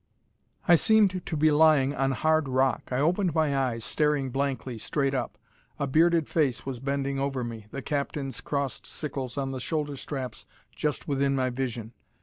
I seemed to be lying on hard rock. I opened my eyes, staring blankly, straight up. A bearded face was bending over me, the captain's crossed sickles on the shoulder straps just within my vision.